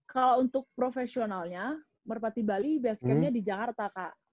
kalau untuk profesionalnya merpati bali base camp nya di jakarta kak